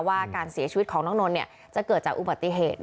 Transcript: ว่าการเสียชีวิตของน้องนนท์จะเกิดจากอุบัติเหตุ